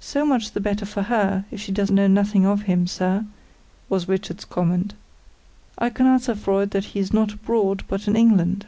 "So much the better for her, if she does know nothing of him, sir," was Richard's comment. "I can answer for it that he is not abroad, but in England."